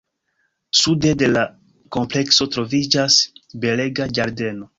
Sude de la komplekso troviĝas belega ĝardeno.